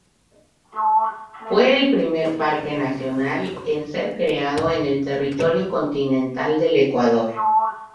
Fue el primer parque nacional en ser creado en el territorio continental del Ecuador.